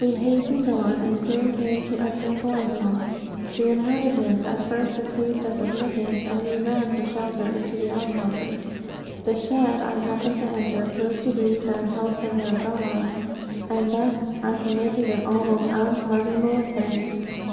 We hastened on, and soon came to a Tavoy house. The inhabitants at first refused us admittance, and we ran for shelter into the out houses. The shed I happened to enter, proved to be the 'house of their gods,' and thus I committed an almost unpardonable offence.